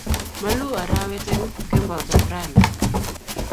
Moluu arawet eng kemboutab rani